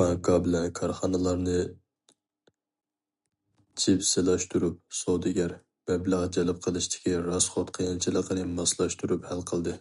بانكا بىلەن كارخانىلارنى جىپسىلاشتۇرۇپ، سودىگەر، مەبلەغ جەلپ قىلىشتىكى راسخوت قىيىنچىلىقىنى ماسلاشتۇرۇپ ھەل قىلدى.